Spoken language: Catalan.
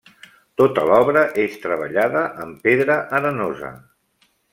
Tota l'obra és treballada en pedra arenosa.